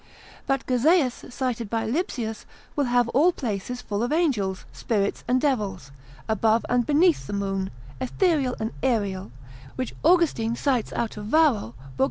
but Gazaeus cited by Lipsius will have all places full of angels, spirits, and devils, above and beneath the Moon, ethereal and aerial, which Austin cites out of Varro l.